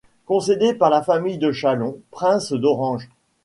Concédées par la famille de Chalon, Princes d'Orange.